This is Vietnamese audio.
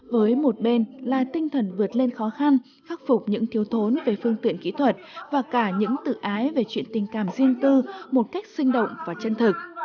với một bên là tinh thần vượt lên khó khăn khắc phục những thiếu thốn về phương tiện kỹ thuật và cả những tự ái về chuyện tình cảm riêng tư một cách sinh động và chân thực